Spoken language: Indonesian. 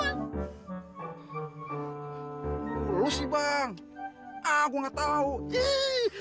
lo sih bang ah gue gak tau ih